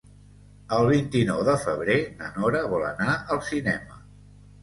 El vint-i-nou de febrer na Nora vol anar al cinema.